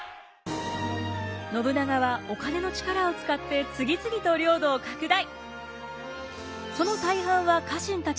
信長はお金の力を使って次々と領土を拡大。